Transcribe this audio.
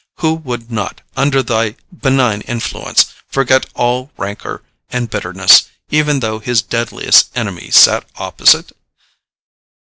Who would not, under thy benign influence, forget all rancor and bitterness, even though his deadliest enemy sat opposite?